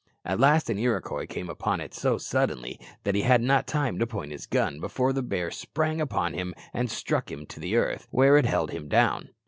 At last an Iroquois came upon it so suddenly that he had not time to point his gun before the bear sprang upon him and struck him to the earth, where it held him down.